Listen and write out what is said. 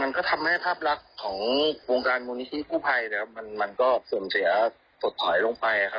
มันกลายเป็นเรื่องผลประโยชน์สักส่วนมาก